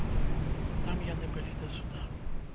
Там яны былі да суда.